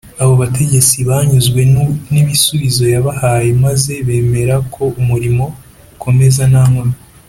Abo bategetsi banyuzwe n ibisubizo yabahaye maze bemera ko umurimo ukomeza nta nkomyi